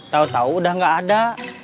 tau tau udah gak ada